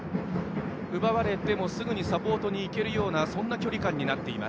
奪われてもすぐにサポートに行けるような距離感になっています。